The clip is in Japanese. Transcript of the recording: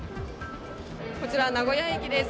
こちら、名古屋駅です。